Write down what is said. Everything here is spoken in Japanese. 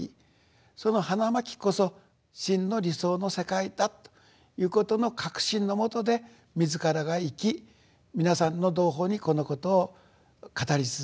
その花巻こそ真の理想の世界だということの確信のもとで自らが生き皆さんの同胞にこのことを語り続けていく。